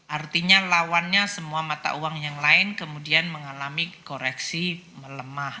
artinya lawannya semua mata uang yang lain kemudian mengalami koreksi melemah